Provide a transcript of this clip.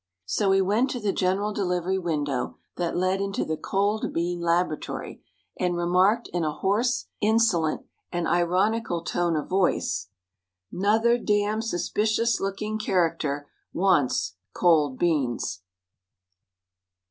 So he went to the general delivery window that led into the cold bean laboratory, and remarked in a hoarse, insolent, and ironical tone of voice: "Nother damned suspicious looking character wants cold beans."